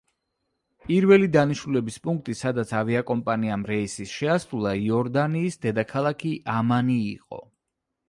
პირველი დანიშნულების პუნქტი, სადაც ავიაკომპანიამ რეისი შეასრულა იორდანიის დედაქალაქი ამანი იყო.